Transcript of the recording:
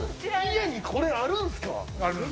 家にこれあるんすか。